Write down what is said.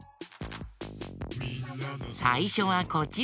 さいしょはこちら。